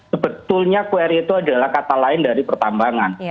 sebetulnya kuari itu adalah kata lain dari pertambangan